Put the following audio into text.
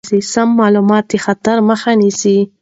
سم معلومات د خطر مخه نیسي.